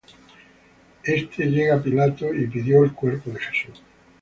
Este llegó á Pilato, y pidió el cuerpo de Jesús.